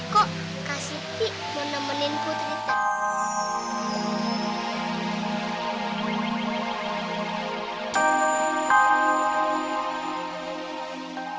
kok kasih ti menemenin putri tadi